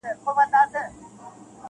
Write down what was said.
دا وطن دی د زمريو -